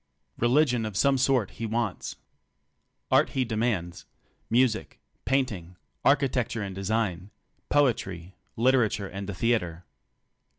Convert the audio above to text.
Religion of some sort he wants. Art he demands — music, painting, architecture and design, poetry, literature and the theatre.